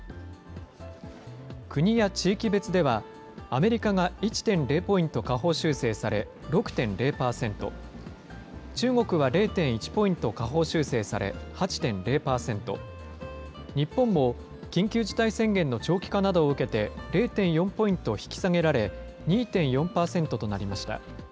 国や地域別では、アメリカが１．０ポイント下方修正され、６．０％、中国は０．１ポイント下方修正され８．０％、日本も緊急事態宣言の長期化などを受けて０．４ポイント引き下げられ、２．４％となりました。